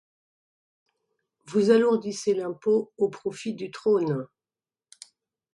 Vous alourdissez l’impôt au profit du trône.